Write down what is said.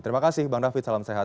terima kasih bang david salam sehat